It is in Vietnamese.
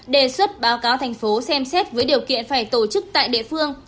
đề xuất báo cáo thành phố xem xét với điều kiện phải tổ chức tại địa phương